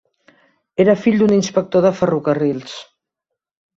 Era fill d'un inspector de ferrocarrils.